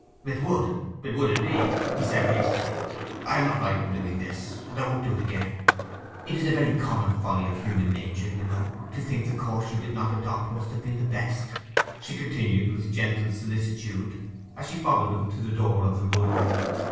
'It would—it would, indeed,' he said hastily. 'I am not right in doing this, and I won't do it again.' 'It is a very common folly of human nature, you know, to think the course you did not adopt must have been the best,' she continued, with gentle solicitude, as she followed him to the door of the room.